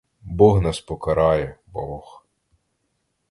Бог нас покарає, бог!